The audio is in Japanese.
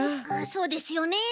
そうですよね。